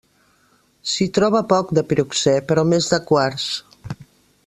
S'hi troba poc de piroxè, però més de quars.